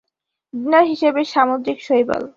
Dinner হিসাবে সামুদ্রিক শৈবাল।